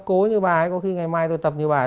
cố như bà ấy có khi ngày mai tôi tập như bà ấy